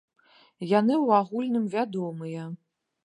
Яны ў агульным вядомыя.